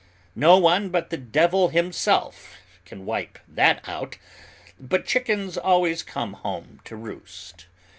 No one but the devil himself can wipe that out, but chickens always come home to roost.